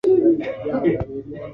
Alitupa takataka kwenye pipa la taka